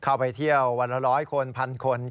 เข้าไปเที่ยววันละ๑๐๐คนพันคน